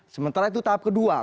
sementara itu tahap kedua